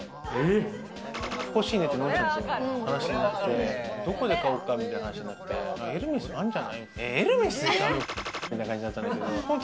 欲しいねって、のんちゃんと話になって、どこで買おうかっていう話になったらエルメスにあるんじゃないって。